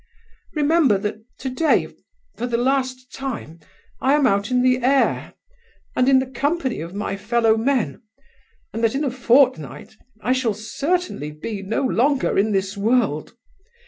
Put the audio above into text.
"Remember that today, for the last time, I am out in the air, and in the company of my fellow men, and that in a fortnight I shall certainly be no longer in this world.